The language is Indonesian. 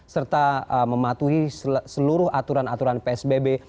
serta mematuhi seluruh aturan aturan psbb